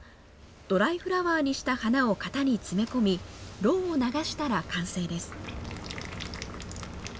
ドライフラワーにした花を型に詰め込み、ろうを流したら完成です。